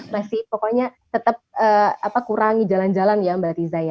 masih pokoknya tetap kurangi jalan jalan ya mbak tiza ya